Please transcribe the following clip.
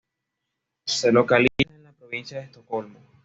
Se localiza en la provincia de Estocolmo.